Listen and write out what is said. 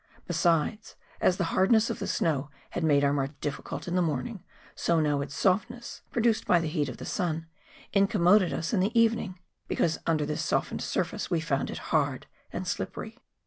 Besides, as the hardness of the snow had made our march difficult in the morning, so now its soft¬ ness, produced by the heat of the sun, incommoded us in the evening, because under this softened sur¬ face we found it hard aud slippery.